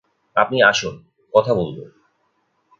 আপনি আসুন, কথা বলব।